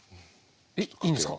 えっいいんですか？